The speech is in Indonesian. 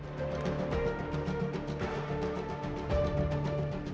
mereka mempertanyakan tujuan kami dan izin yang kami bawa